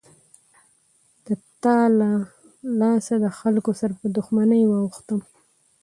د تا له لاسه دخلکو سره په دښمنۍ واوښتم.